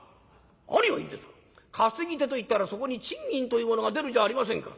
何を言うんですか担ぎ手といったらそこに賃金というものが出るじゃありませんか。